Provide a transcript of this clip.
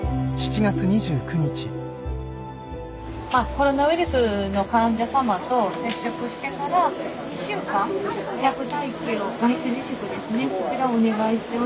コロナウイルスの患者様と接触してから２週間自宅待機を外出自粛ですねそちらをお願いしております。